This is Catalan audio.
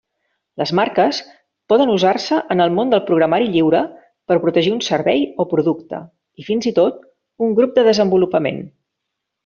Les marques poden usar-se en el món del programari lliure per protegir un servei o producte i fins i tot un grup de desenvolupament.